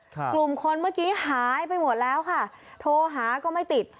กลุ่มคนเมื่อกี้หายไปหมดแล้วค่ะโทรหาก็ไม่ติด